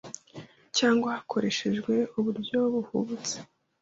cyangwa hakoreshejwe uburyo buhubutse.